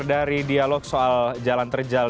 dari dialog soal jalan terjal